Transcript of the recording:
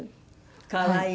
可愛い。